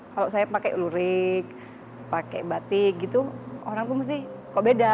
kalau saya pakai lurik pakai batik gitu orang tuh mesti kok beda